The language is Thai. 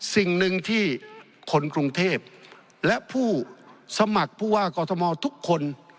สิ่งหนึ่งที่คนกรุงเทพและผู้สมัครผู้ว่ากอทมทุกคน